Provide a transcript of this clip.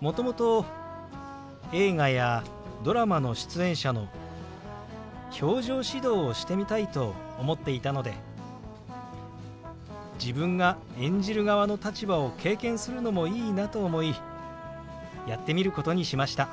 もともと映画やドラマの出演者の表情指導をしてみたいと思っていたので自分が演じる側の立場を経験するのもいいなと思いやってみることにしました。